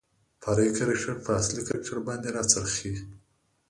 فرعي کرکتر په اصلي کرکتر باندې راڅرخي .